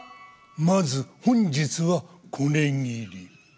まず本日はこれぎり。